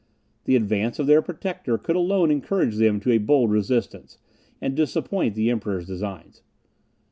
The advance of their protector could alone encourage them to a bold resistance, and disappoint the Emperor's designs.